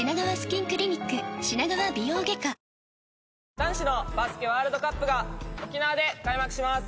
男子のバスケワールドカップが沖縄で開幕します。